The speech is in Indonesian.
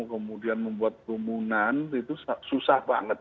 kemudian membuat kerumunan itu susah banget